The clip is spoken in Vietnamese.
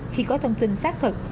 khi có thông tin xác thực